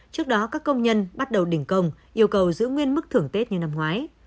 trước đó các công nhân bắt đầu đình công yêu cầu giữ nguyên mức thưởng tết như năm ngoái